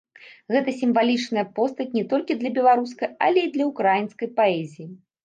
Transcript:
Гэта сімвалічная постаць не толькі для беларускай, але і для ўкраінскай паэзіі.